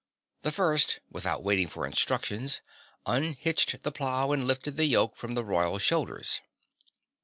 The first, without waiting for instructions unhitched the plough and lifted the yoke from the royal shoulders.